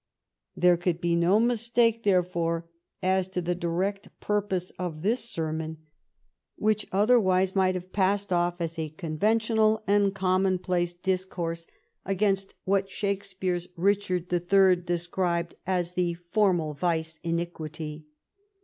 There could be no mistake, therefore, as to the direct pur pose of this sermon, which otherwise might have passed off as a conventional and commonplace discourse against 298 THE REIGN OF QUEEN ANNE what Shakespeare's "Richard the Third" describes as " the formal vice iniquity."